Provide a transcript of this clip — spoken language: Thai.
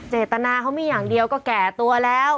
เจตนาเขามีอย่างเดียวก็แก่ตัวแล้ว